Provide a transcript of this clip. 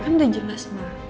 kan udah jelas mak